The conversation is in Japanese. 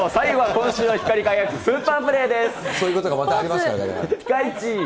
今週の光り輝くスーパープレーです。